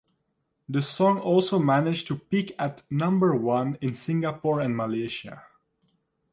The song also managed to peak at number one in Singapore and Malaysia.